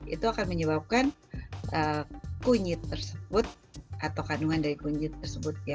itu akan menyebabkan kunyit tersebut atau kandungan dari kunyit tersebut